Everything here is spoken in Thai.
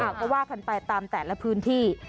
ก็ว่ากันไปตามแต่ละพื้นที่